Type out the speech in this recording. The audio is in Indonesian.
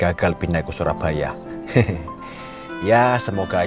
itu dia network mauji yang bikin